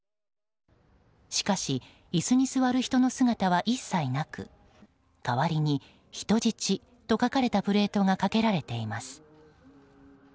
しかし、椅子に座る人の姿は一切なく代わりに、人質と書かれたプレートがかけられています。